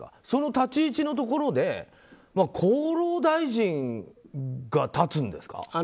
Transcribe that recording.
その立ち位置のところで厚労大臣が立つんですか？